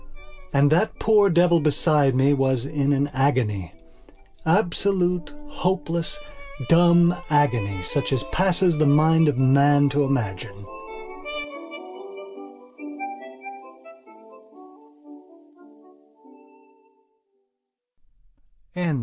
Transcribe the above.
And that poor devil beside me was in an agony. Absolute, hopeless, dumb agony such as passes the mind of man to imagine.